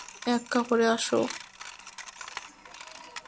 এক কাপড়ে আসো।